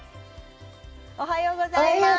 おはようございます。